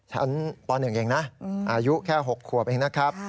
ป๑เองนะอายุแค่๖ขวบเองนะครับ